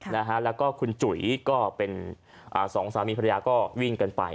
แล้วก็คุณจุ๋ยก็เป็นสองสามีภรรยาก็วิ่งกันไป